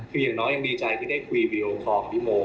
คืออย่างน้อยยังดีใจที่ได้คุยวีดีโอคอลของพี่โม